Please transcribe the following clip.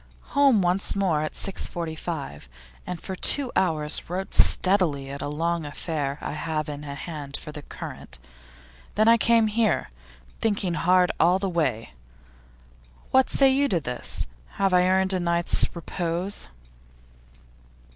Home once more at 6.45, and for two hours wrote steadily at a long affair I have in hand for The Current. Then I came here, thinking hard all the way. What say you to this? Have I earned a night's repose?